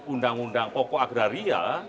undang undang pokok agraria